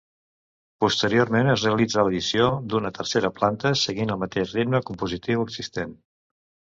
Posteriorment es realitzà l'addició d'una tercera planta seguint el mateix ritme compositiu existent.